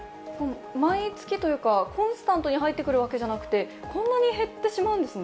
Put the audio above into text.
毎月というか、コンスタントに入ってくるわけじゃなくて、こんなに減ってしまうんですね。